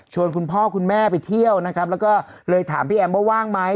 คุณพ่อคุณแม่ไปเที่ยวนะครับแล้วก็เลยถามพี่แอมว่าว่างไหม